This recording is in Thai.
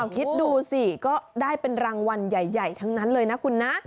คิดดูสิก็ได้เป็นรางวัลใหญ่ทั้งนั้นเลยนะคุณนะ